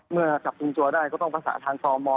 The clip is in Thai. เมื่อกับปุงจัวร์ได้ก็ต้องมาสระทางศม